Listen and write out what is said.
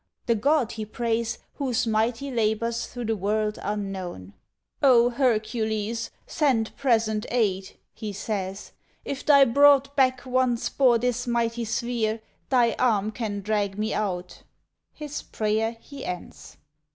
The god he prays, Whose mighty labours through the world are known: "O Hercules! send present aid," he says; "If thy broad back once bore this mighty sphere, Thy arm can drag me out." His prayer he ends.